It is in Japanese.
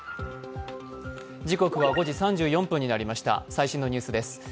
最新のニュースです。